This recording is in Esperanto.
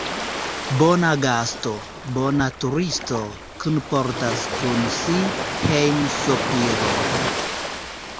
Bona gasto, bona turisto, kunportas kun si hejmsopiron.